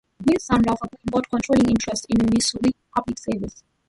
Green's son Ralph Green bought controlling interest in Missouri Public Service.